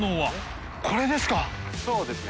そうですね